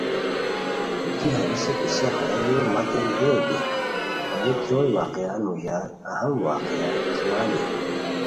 دی ہنیسے پسہ ہیہ لوؤ مت دیور کی ہمی تروئے واقعان موژار اہم واقعہ کیوالی؟